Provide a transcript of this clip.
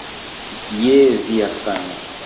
Je via sano.